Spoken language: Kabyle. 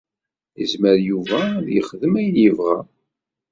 Yezmer Yuba ad yexdem ayen i yebɣa.